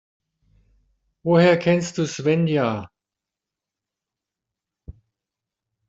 Woher kennst du Svenja?